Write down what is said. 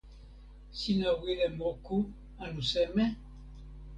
sina wile moku anu seme?